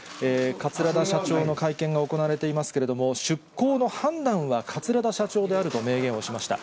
桂田社長の会見が行われていますけれども、出航の判断は桂田社長であると明言をしました。